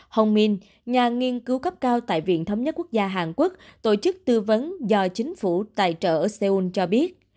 hồng minh nhà nghiên cứu cấp cao tại viện thống nhất quốc gia hàn quốc tổ chức tư vấn do chính phủ tài trợ ở seoul cho biết